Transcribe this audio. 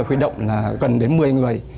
khuyên động gần đến một mươi người